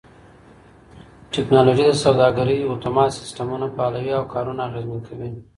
ټکنالوژي د سوداګرۍ اتومات سيستمونه فعالوي او کارونه اغېزمن کوي.